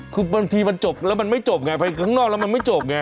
คือบางทีมันจบแล้วมันไม่จบไงไปข้างนอกแล้วมันไม่จบไง